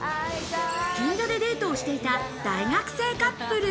銀座でデートをしていた大学生カップル。